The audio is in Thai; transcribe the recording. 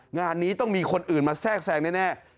งานนี้ต้องมีคนอื่นมาแทรกแทรงแน่